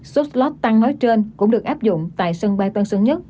số slot tăng nói trên cũng được áp dụng tại sân bay tân sơn nhất